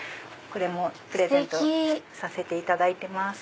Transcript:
プレゼントさせていただいてます。